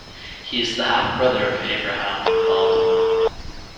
He is the half-brother of Abraham Baldwin.